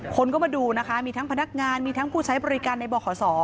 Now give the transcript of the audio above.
คนก็มาดูนะคะมีทั้งพนักงานมีทั้งผู้ใช้บริการในบขศ